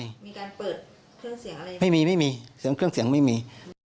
มีการเปิดเครื่องเสียงอะไรไม่มีไม่มีเสียงเครื่องเสียงไม่มี